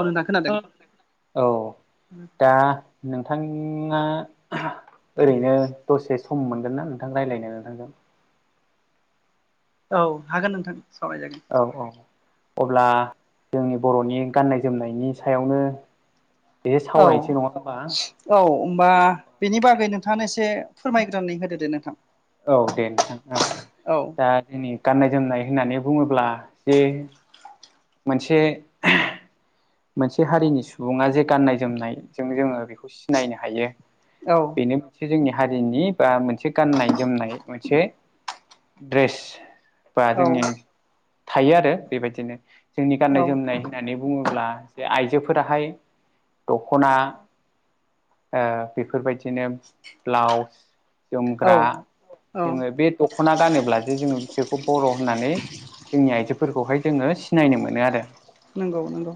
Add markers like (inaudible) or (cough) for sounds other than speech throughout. औ नोंथां खोनादों। औ दा नोंथाङा ओरैनो दसे सम मोनगोन ना नोंथां रायज्लायनो नोंथांजों? औ हागोन नोंथां सावरायजागोन। औ औ अब्ला जोंनि बर'नि गाननाय जोमनायनि सायावनो एसे औ सावरायनोसै नङा होमबा औ होमबा बिनि बागै नोंथाङानो एसे फोरमायग्रोनानै होदो दे नोंथां। औ दे नोंथां ओं। औ दा जोंनि गाननाय जोमनाय होननानै बुङोब्ला जे मोनसे मोनसे हारिनि सुबुङा जे गाननाय जोमनायजों जोङो बेखौ सिनायनो हायो। औ। बेनो मोनसे जोंनि हारिनि बा मोनसे गाननाय जोमनाय मोनसे द्रेस बा औ जोंनि थायो आरो बेबायदिनो। जोंनि औ गाननाय जोमनाय होननानै बुङोब्ला जे आइजोफोराहाय दख'ना ओ बेफोर बायदिनो ब्लाउस औ जोमग्रा। औ जोङो बे दख'ना गानोब्ला जे जोङो बिसोखौ बर' होननानै जोंनि आइजोफोरखौहाय जोङो सिनायनो मोनो आरो। नंगौ नंगौ।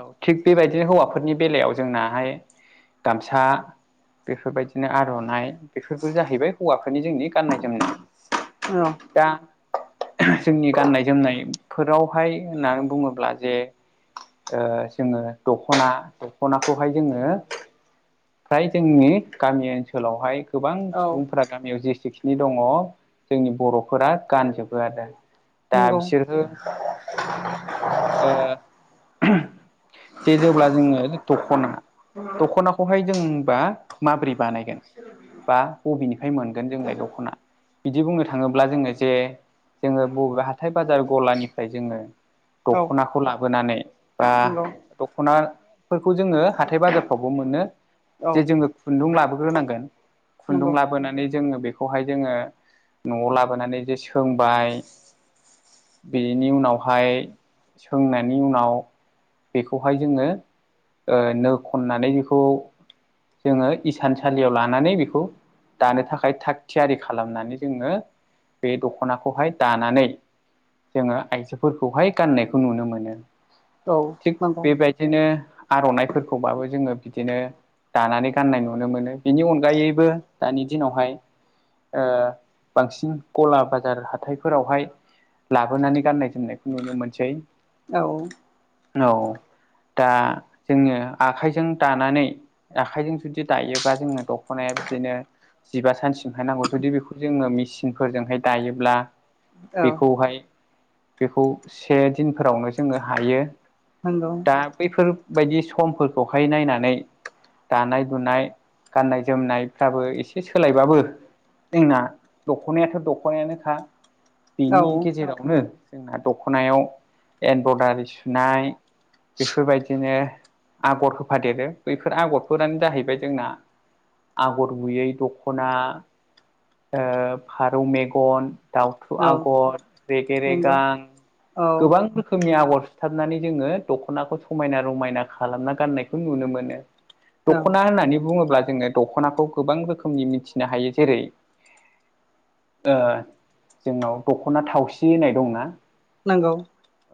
औ थिग बेबायदिनो हौवाफोरनि बेलायाव जोंनाहाय गामसा। बेफोर बायदिनो आर'नाइ बेफोरबो जाहैबाय हौवाफोरनि जोंनि गाननाय जोमनाय। औ। दा जोंनि गाननाय जोमनायफोरावहाय होननानै बुङोब्ला जे ओ जोङो दख'ना, दख'नाखौहाय जोङो फ्राय जोंनि गामि ओनसोलावहाय गोबां औ सुबुंफोरा गामियाव जेसेखिनि दङ' जोंनि बर'फोरा गानजोबो आरो। दा नंगौ बिसोरो ओ जे जेब्ला जोङो दख'ना, दख'ना खौहाय जोंबा माब्रै बानायगोन बा बबेनिफ्राय मोनगोन जोंलाय दख'ना। बिदि बुंनो थाङोब्ला जोङो जे जोङो बबे हाथाय बाजार गलानिफ्राय जोङो औ दख'नाखौ लाबोनानै बा नंगौ दख'नाफोरखौ जोङो हाथाय बाजारफ्रावबो मोनो औ जे जोङो खुन्दुं लाबोग्रोनांगोन, खुन्दुं नंगौ लाबोनानै जोङो बे बेखौहाय जोङो न'आव लाबोनानै जे सोंबाय बेनि उनावहाय सोंनायनि उनाव बेखौहाय जोङो नो खननानै बेखौ जोङो इसानसालियाव लानानै बेखौ दानो थाखाय थाग थियारि खालामनानै जोङो बे दख'नाखौहाय दानानै जोङो आइजोफोरखौहाय गाननायखौ नुनो मोनो। औ थिग नंगौ बेबायदिनो आर'नाइफोरखौबाबो जोङो बिदिनो दानानै गाननाय नुनो मोनो। बेनि अनगायैबो दानि दिनावहाय बांसिन गला बाजार हाथायफोरावहाय लाबोनानै गाननाय जोमनायखौ नुनो मोनसै। औ। औ दा जोङो आखाइजों दानानै आखाइजों जुदि दायोबा जोङो दख'नाया बिदिनो जिबा सानसिमहाय नांगौ। जुदि बेखौ जोङो मेचिनफोरजोंहाय दायोब्ला औ बेखौहाय बेखौ से दिनफोरावनो जोङो हायो। नंगौ दा बैफोरबायायदि समफोरखौहाय नायनानै दानाय लुनाय गाननाय जोमनायफ्राबो एसे सोलायबाबो जोंना दख'नायाथ' दख'नायानोखा। औ बेनि गेजेरावनो जोंना दख'नायाव एमब्रयदारि सुनाय बेफोरबायदिनो आगर होफादेरो। बैफोर आगरफोरानो जाहैबाय जोंना आगर गुयै दखना फारौ मेगन दाउथु औ आगर रेगे नंगौ रेगां औ गोबां रोखोमनि आगर सुथाबनानै जोङो दख'नाखौ समायना रमायना खालामना गाननायखौ नुनो मोनो। औ दख'ना होननानै बुङोब्ला जोङो दख'नाखौ गोबां रोखोमनि मिथिनो हायो जेरै ओ जोंनाव दख'ना थावसि होननाय दंना नोंगौ।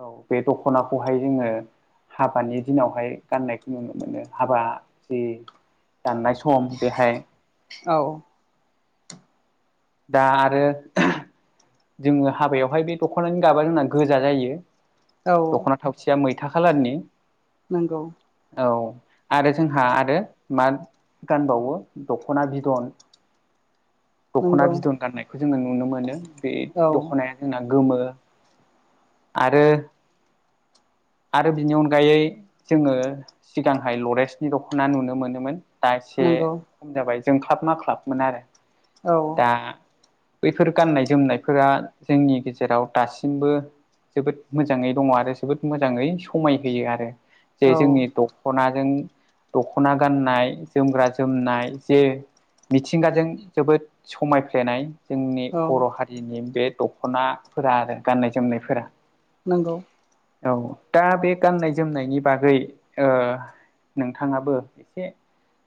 औ बे दख'ना हाखौहाय जोङो हाबानि दिनावहाय गाननायखौ नुनो मोनो हाबा जि दाननाय सम बेहाय औ। दा आरो जोङो हाबायावहाय बे दख'नानि गाबा जोंना गोजा जायो औ दख'ना थावसेया मैथा खालारनि नंगौ। औ आरो जोंहा आरो मा गानबावो दख'ना बिदन दख'ना नंगौ बिदन गाननायखौ जोङो नुनो मोनो बे औ दख'नाया जोंना गोमो आरो आरो बिनि अनगायै जोङो सिगांहाय लरेन्सनि दख'ना नुनो मोनोमोन दा एसे नंगौ खम जाबाय जों ख्लाब मा ख्लाबमोन आरो औ। दा बैफोर गाननाय जोमनायफोरा जोंनि गेजेराव दासिमबो जोबोद मोजाङै दङ आरो जोबोद मोजाङै समाय होोयो आरो जे औ जोंनि दखनाजों दख'ना गाननाय जोमग्रा जोमनाय जे मिथिंगाजों जोबोद समायफ्लेनाय जोंनि बर' हारिनि बे दख'नाफोरा आरो गाननाय जोमनायफोरा नोंगौ औ दा बे गाननाय जोमनायनि बागै ओ नोंथाङाबो एसे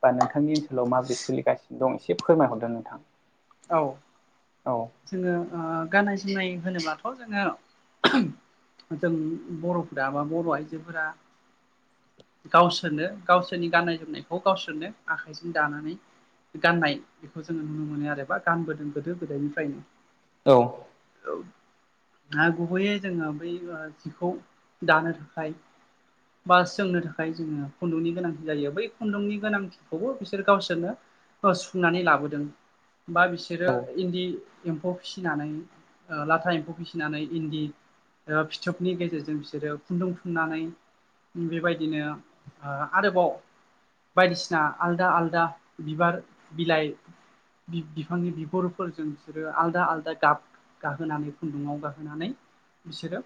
बा नोंथांनि ओनसोलाव माबोरै सोलिगासिनो दं एसे फोरमायहरदों नोंथां। औ औ जोङो ओ गाननाय जोमनाय होनोबाथ' जोङो जों बर'फोरा बा बर' आइजोफोरा गावसोरनो गावसोरनि गाननाय जोमनायखौ गावसोरनो आखाइजों दानानै गाननाय बेखौ जोङो नुनो मोनो आरो बा गानबोदों गोदो गोदायनिफ्रायनो औ। औ आरो गुबैयै जोङो बै जिखौ दानो थाखाय बास जोंनो थाखाय जोङो खुन्दुंनि गोनांथि जायो बै खुन्दुंनि गोनांथि खौबो बिसोर गावसोरनो सुफुंनानै लाबोदों बा औ बिसोरो इन्दि एम्फौ फिसिनानै ओ लाथा एम्फौ फिसिनानै इन्दि ओ फिथोबनि गेजेरजों बिसोरो खुन्दुं थुनानै बेबायदिनो आ आरोबाव बायदिसिना आलादा आलादा बिबार बिलाइ बिफांनि बिब'फोरजों बिसोरो आलदा आलदा गाब गाहोनानै खुन्दुङाव गाहोनानै बिसोरो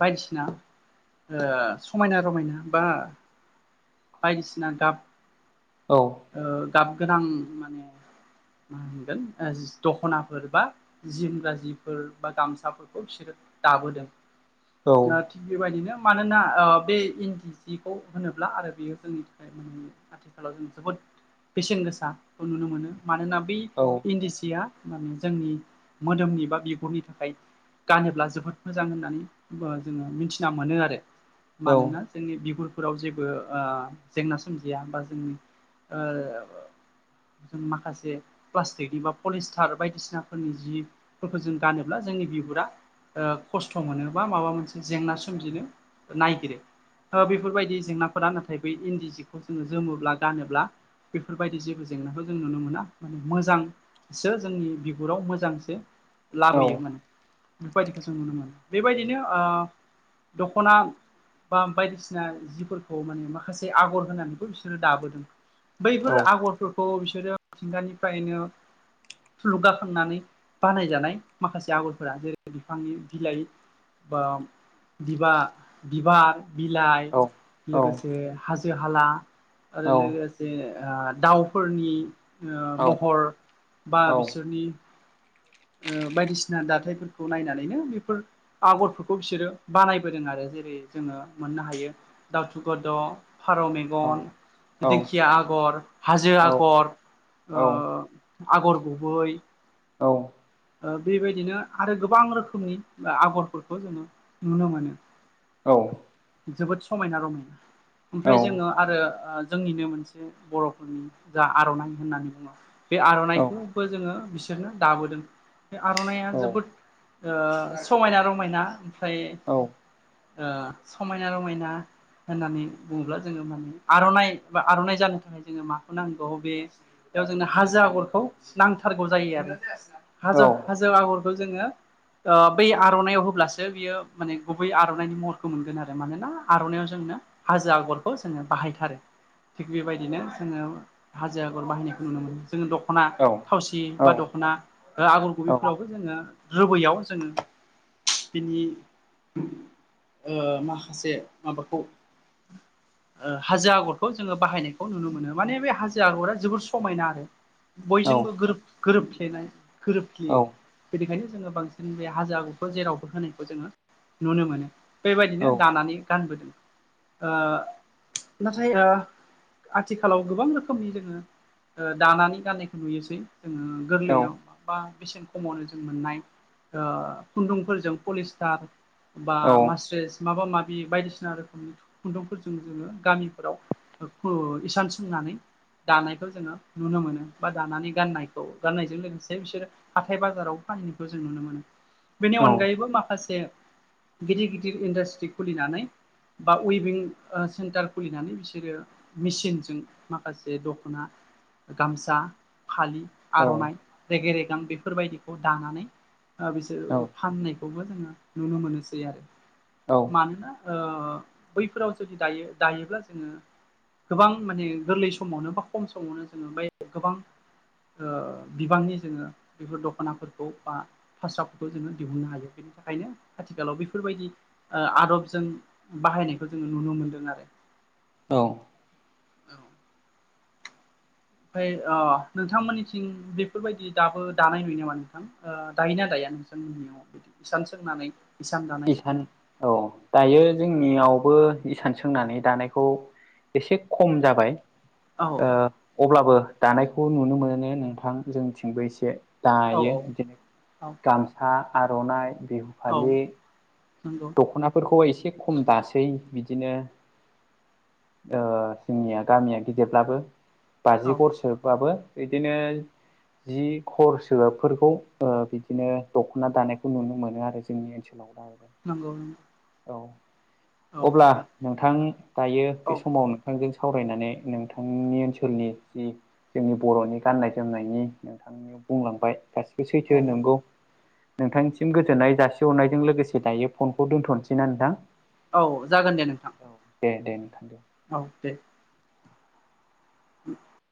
बायदिसिना ओ समायना रमायना बा बायदिसिना गाब औ ओ गाब गोनां माने मा होनगोन दख'नाफोर बा जिमग्रा जिफोर बा गामसाफोरखौ बिसोरो दाबोदों औ ओ बेबायदिनो मानोना ओ बे इन्दि जिखौ होनोब्ला आरो बेयो जोंनि थाखाय मोन मोनो आथिखालाव जों जोबोद बेसेन गोसा खौ नुनो मोनो मानोना बे इन्दि सिया माने जोंनि मोदोमनि बा बिगुरनि थाखाय गानोब्ला जोबोद मोजां होननानै ओ जोङो मिथिना मोनो आरो औ मानोना जोंनि बिगुरफोराव जेबो आ जेंना सोमजिया बा जोंनि ओ जों माखासे (unintelligible) पलिस्टार बायदिसिनाफोरनि जिफोरखौ जों गानोब्ला जोंनि बिगुरा ओ खस्थ मोनो बा माबा मोनसे जेंना सोमजिनो नागिरो ओ बेफोरबायदि जेंनाफोरा नाथाय बै इन्दि जिखौ जोङो जोमोब्ला गानोब्ला बेफोरबायदि जेबो जेंनाखौ जों नुनो मोना माने मोजां सो जोंनि बिगुराव मोजांसो औ लाबोयो माने फोरबायदिखौ जों नुनो मोनो बेबायदिनो ओ दख ना बा बायदिसिना जिफोरखौ माने माखासे आगर होनानैखौ बिसोरो दाबोदों औ बैफोर आगरफोरखौ बिसोरो मिथिंगानिफ्रायनो थुलुंगाखांनानै बानायजानाय माखासे आगरफोरा जेरै बिफांनि बिलाइ बा बिबा बिबार बिलाइ औ लोगोसे हाजो हाला आरो औ लोगोसे आ दाउफोरनि ओ औ महर बा बिसोरनि ओ बायदिसिना दाथायफोरखौ नायनानैनो बेफोर आगरफोरखौ बिसोरो बानायबोदों आरो जेरै जोङो मोननो हायो दाउथुगद फारौ मेगन औ दिंखिया आगर हाजो औ आगर ओ आगर गुबै ओ बेबायदिनो आरो गोबां रोखोमनि आगरफोरखौ जोङो नुनो मोनो औ जोबोद समायना रमायना ओमफ्राय जोङो औ आरो आ जोंनिनो मोनसे बरफोरनि जा आरनाइ होननानै बुङो बे आरनाइ खौबो जोङो बिसोरनो दाबोदों बे आरनाइया जोबोद ओ समायना रमायना ओमफ्राय औ ओ समायना रमायना होननानै बुङोब्ला जोङो माने आरनाइ बा आरनाइ जानो थाखाय जोङो माखौ नांगौ बे बेयाव जोंनो हाजो आगरखौ नांथारगौ जायो आरो हाजो हाजो जो आगरखौ जोङो ओ बै आरनायाव होब्लासो बियो माने गुबै आरनाइनि महरखौ मोनगोन आरो मानोना आरनायाव जोंनो हाजो आगरखौ जोङो बाहायथारो थिग बेबायदिनो जोङो हाजो आगर बाहायनायखौ नुनो मोनो जोङो दखना औ थावसि बा दखना आगर ओ गुबैफोरावबो जोङो रोबैयाव जोङो बिनि ओ माखासे माबाखौ (inaudible) ओ हाजो आगरखौ जोङो बाहायनायखौ नुनो मोनो माने बे हाजो आगरा जोबोर समायना आरो बयजोंबो गोरोब गोरोबफ्लेनाय गोरोबफ्लेयो बेनिखायनो जोङो बांसिन बे हाजो आगरखौ जेरावबो होनायखौ जोङो नुनो मोनो बेबायदिनो दानानै गानबोदों ओ नाथाय ओ आथिखालाव गोबां रोखोमनि जोङोक्षओ दानानै गाननायखौ नुयोसै जोङो गोरलैयाव बा बेसेन खमावनो जों मोननाय ओ खुन्दुंफोरजों पलिस्टार बा मास्रेस माबा माबि बायदिसिना रोखोमनि खुन्दुंखौ जों जोङो गामिफोराव इसान सोंनानै दानायखौ जोङो नुनो मोनो बा दानानै गाननायखौ गाननायजों लोगोसे बिसोर हाथाइ बाजाराव बाहायनायखौ जों नुनो मोनो बेनि औ अनगायैबो माखासे गिदिर गिदिर इन्डास्ट्रि खुलिनानै बा उइभिंओ सेन्टार खुलिनानै बिसोरो मेचिनजों माखासे दखना गामसा फालि औ औ आरनाइ रेगे रेगां बेफोरबायदिखौ दानानै औ बिसोरो फाननाय बे खौबो जोङो नुनो मोनोसै आरो औ मानोना ओ बैफोराव जुदि दायो दायोब्ला जोङो गोबां माने गोरलै समावनो बा खम समावनो जोङो गोबां ओ बिबांनि जोङो बेफोर दखनाफोरखौ बा फास्राफोरखौ जोङो दिहुननो हायो बे थाखायनो आथिखालाव बेफोरबायदि ओ आदबजों बाहायनायखौ जोङो नुनो मोनदों आरो औ (inaudible) ओमफ्राय ओ नोंथांमोननिथिं बेफोरबायदि दाबो दानाय नुयो नामा नोंथां ओ दायोना दाया नोंसानि नआव इसान सोंनानै इसान दानाय इसान औ दायो जोंनियावबो इसान सोंनानै दानायखौ एसे खम जाबाय औ ओ अब्लाबो दानायखौ नुनो मोनो नोंथां जोंनिथिंबो एसे औ दायो बिदिनो औ गामसा आरनाइ बेह औ नंगौ दखनाफोरखौ एसे खम दासै बिदिनो ओ जोंनिया गामिया गिदिरब्लाबो औ बाजि घरसोबाबो बिदिनो जि खर सोबफोरखौ बिदिनो दखना दानायखौ नुनो मोनो आरो जोंनि ओनसोल (unintelligible) नंगौ नों औ अब्ला नोंथां दायो औ बे समाव नोंथांजों सावरायनानै नोंथांनि ओनसोलनि जि जोंनि बर'नि गाननाय जोमनायनि नोंथांनियाव बुंलांबाय। गासिबो औ सैथो नंगौ नोंथांनिसिम गोजोननाय जासिहरनायजों लोगोसे दायो फनखौ दोनथ'नोसै ना नोंथां? औ जागोन दे नोंथां। औ दे दे नोंथां दे। औ दे। (inaudible)